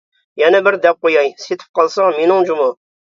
— يەنە بىر دەپ قوياي، سېتىپ قالساڭ مېنىڭ جۇمۇ!